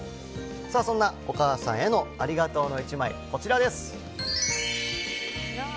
さあ、そんなお母さんへのありがとうの１枚、こちらです。